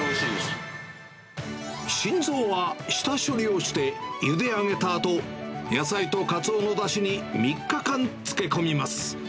心臓は下処理をして、ゆで上げたあと、野菜とカツオのだしに３日間漬け込みます。